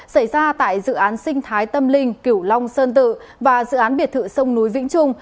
xảy ra tại dự án sinh thái tâm linh kiểu long sơn tự và dự án biệt thự sông núi vĩnh trung